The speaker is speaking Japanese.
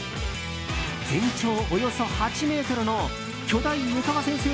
全長およそ８ｍの巨大湯川先生